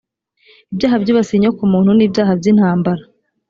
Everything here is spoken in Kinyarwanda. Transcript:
ibyaha byibasiye inyokomuntu n’ibyaha by’intambara